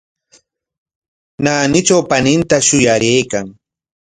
Naanitraw paninta shuyaraykan.